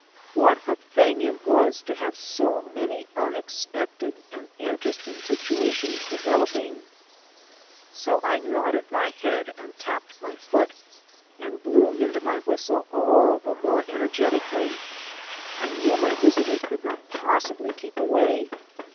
What a thing it was have so many unexpected and interesting situations developing! So I nodded my head and tapped my foot, and blew into my whistle all the more energetically. I knew my visitor could not possibly keep away.